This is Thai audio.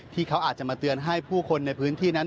ที่เขาอาจจะมาเตือนให้ผู้คนในพื้นที่นั้น